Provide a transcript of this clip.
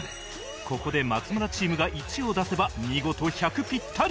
ここで松村チームが１を出せば見事１００ピッタリ！